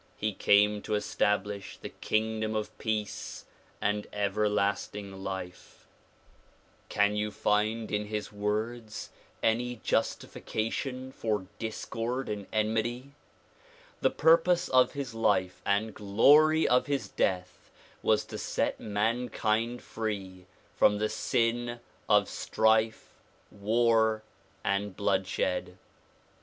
He came to establish the kingdom of peace and everlasting life. Can you find in his words 4 THE PROMULGATION OF UNIVERSAL PEACE any justification for discord and enmity? The purpose of his life and glory of his death was to set mankind free from the sin of strife, war and* bloodshed.